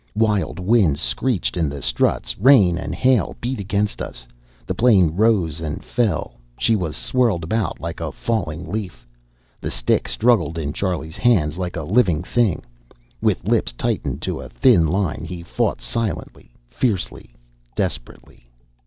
Wild winds screeched in the struts; rain and hail beat against us. The plane rose and fell; she was swirled about like a falling leaf. The stick struggled in Charlie's hands like a living thing. With lips tightened to a thin line, he fought silently, fiercely, desperately.